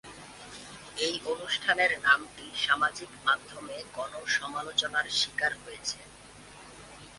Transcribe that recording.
এই অনুষ্ঠানের নামটি সামাজিক মাধ্যমে গণ সমালোচনার স্বীকার হয়েছে।